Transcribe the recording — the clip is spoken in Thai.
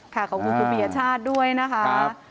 ขอบคุณผู้ผู้เบียดชาติด้วยนะครับ